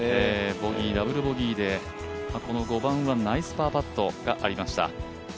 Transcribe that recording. ボギー、ダブルボギーで５番はナイスパーパットがありました。